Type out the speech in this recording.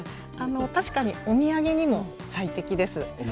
確かにお土産にも最適です。